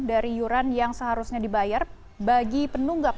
dari iuran yang seharusnya dibayar bagi penunggap